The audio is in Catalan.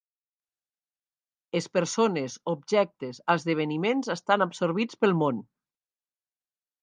Les persones, objectes, esdeveniments estan absorbits pel món.